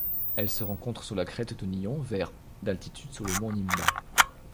Elle se rencontre sur la crête de Nion vers d'altitude sur le mont Nimba.